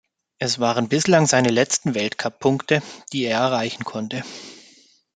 Es waren bislang seine letzten Weltcup-Punkte, die er erreichen konnte.